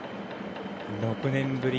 ６年ぶり